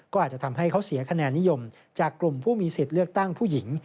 ก็อาจจะทำให้เขาเสียคะแนนนิยมจากกลุ่มผู้มีสิทธิ์เลือกตั้งผู้หญิง